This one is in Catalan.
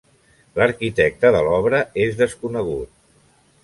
L'arquitecte de l'obra és desconegut.